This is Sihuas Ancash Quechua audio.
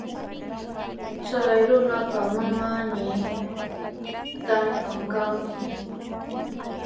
Chay runapa manami trakin kanku.